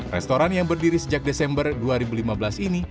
restoran yang berdiri sejak desember dua ribu lima belas ini